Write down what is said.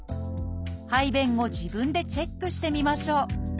排便後自分でチェックしてみましょう。